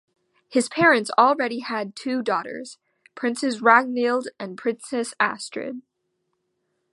His parents already had two daughters, Princess Ragnhild and Princess Astrid.